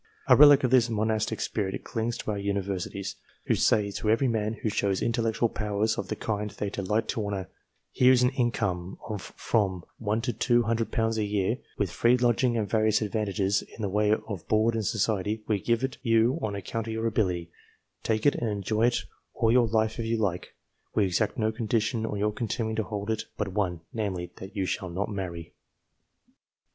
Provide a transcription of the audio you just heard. A relic of this monastic spirit clings to our Universities, who say to every man who shows intellectual powers of the kind they delight to honour, " Here is an income of from one to two hundred pounds a year, with free lodging and various advantages in the way of board and society ; we give it you on account of your ability ; take it and enjoy it all your life if you like : we exact no condition to your continuing to hold it but one, namely, that you shall not marry."